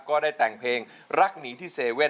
ก็ได้แต่งเพลงรักหนีที่๗๑๑